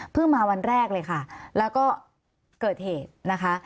มาวันแรกเลยค่ะแล้วก็เกิดเหตุนะคะ